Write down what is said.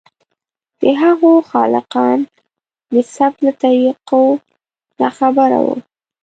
د هغو خالقان د ثبت له طریقو ناخبره وو.